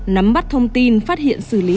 nắm bắt thông tin phát hiện xử lý